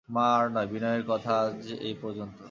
মা, আর নয়, বিনয়ের কথা আজ এই পর্যন্ত।